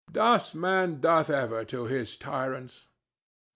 Thus man doth ever to his tyrants.